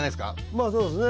まあそうですね。